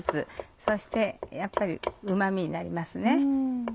そしてやっぱりうま味になりますね。